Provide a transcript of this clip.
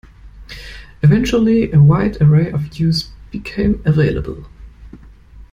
Eventually, a wide array of hues became available.